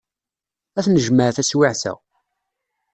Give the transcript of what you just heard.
Ad t-nejmeɛ taswiɛt-a.